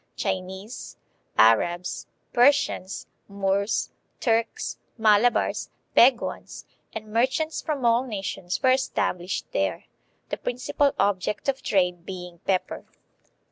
"Chinese, Arabs, Persians, Moors, Turks, Malabars, Peguans, and merchants from all nations were established there," the principal object of trade being pepper.